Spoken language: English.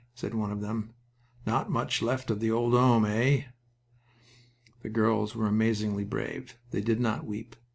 said one of them. "Not much left of the old home, eh?" The girls were amazingly brave. They did not weep.